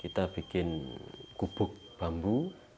kita bikin gubuk bambu